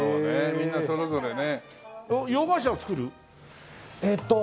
みんなそれぞれね。